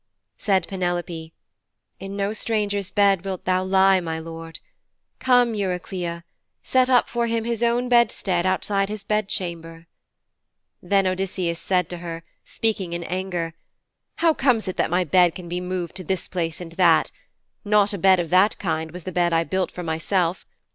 Said Penelope, 'In no stranger's bed wilt thou lie, my lord. Come, Eurycleia. Set up for him his own bedstead outside his bed chamber.' Then Odysseus said to her, speaking in anger: 'How comes it that my bed can be moved to this place and that? Not a bed of that kind was the bed I built for myself.